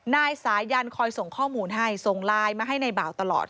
นายสายันคอยส่งข้อมูลให้ส่งไลน์มาให้ในบ่าวตลอด